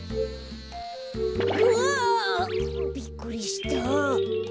うわ！びっくりした。